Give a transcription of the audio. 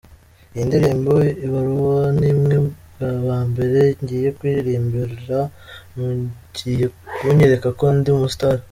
Iyi ndirimbo ‘Ibaruwa’ ni mwe ba mbere ngiye kuyiririmbira, mugiye kunyereka ko ndi umustar.